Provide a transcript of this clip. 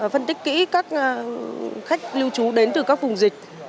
phân tích kỹ các khách lưu trú đến từ các vùng dịch